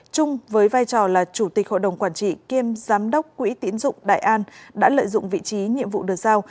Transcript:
trung với vai trò là chủ tịch hội đồng quản trị kiêm giám đốc quỹ tiến dụng đại an đã lợi dụng vị trí nhiệm vụ được giao